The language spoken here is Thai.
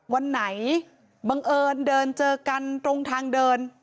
วันไหนบังเอิญเดินเจอกันตรงทางเดิน